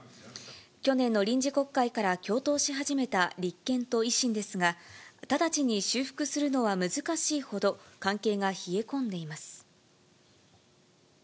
去年の臨時国会から共闘し始めた立憲と維新ですが、直ちに修復するのは難しいほど関係が冷え込んでいます。